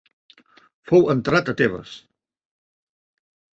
Fou enterrat a Tebes.